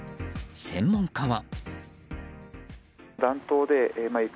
専門家は。